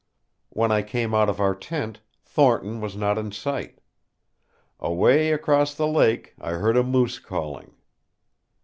When I came out of our tent, Thornton was not in sight. Away across the lake I heard a moose calling.